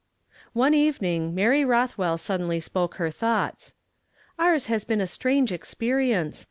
One evening Mary Kothwell suddenly spoke her thoughts. " Ours has been a strange experience.